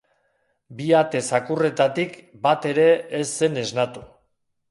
Bi ate-zakurretatik bat ere ez zen esnatu.